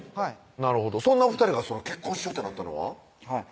なるほどそんなお２人が結婚しようってなったのは？